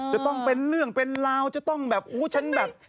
จะต้องเป็นเรื่องเป็นราวจะต้องแบบอู้ฉันแบบ